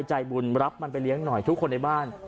ใจบุญรับมันไปเลี้ยงหน่อยทุกคนในบ้าน